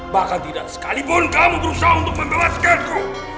bahkan tidak sekalipun kamu berusaha untuk membebaskanku